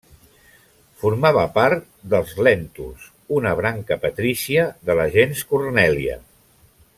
Formava part dels Lèntuls, una branca patrícia de la gens Cornèlia.